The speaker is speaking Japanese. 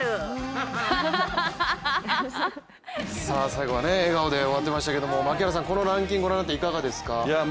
最後は笑顔で終わっていましたけれども槙原さん、このランキング御覧になっていかがですか。